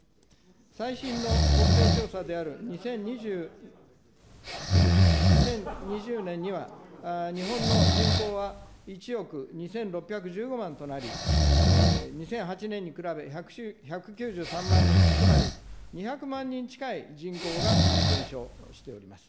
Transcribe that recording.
最新の国勢調査である２０、２０２０年には、日本の人口は１億２６１５万となり、２００８年に比べ１９３万人、つまり２００万人近い人口が減少しております。